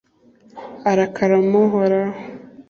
arakarama uhoraho